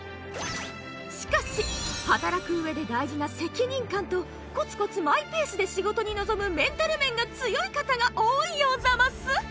しかし働く上で大事な責任感とコツコツマイペースで仕事に臨むメンタル面が強い方が多いようザマス！